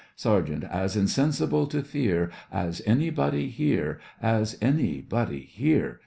SERGEANT: As insensible to fear As anybody here, As anybody here.